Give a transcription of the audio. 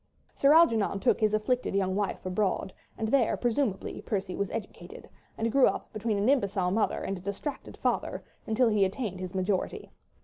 Sir Algernon took his afflicted young wife abroad, and there presumably Percy was educated, and grew up between an imbecile mother and a distracted father, until he attained his majority.